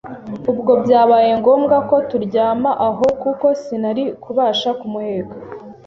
Ubwo byabaye ngombwa ko turyama aho kuko sinari kubasha kumuheka